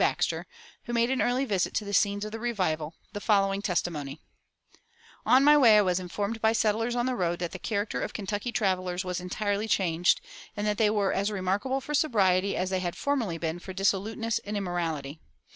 Baxter, who made an early visit to the scenes of the revival, the following testimony: "On my way I was informed by settlers on the road that the character of Kentucky travelers was entirely changed, and that they were as remarkable for sobriety as they had formerly been for dissoluteness and immorality.